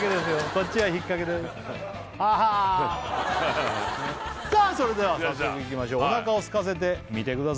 こっちはひっかけですさあそれでは早速いきましょうおなかをすかせて見てください